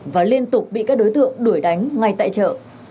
và liên tục bị các đối tượng đuổi đánh ngay tại chợ